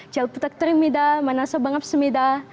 jalputaktur imida manasobangap semida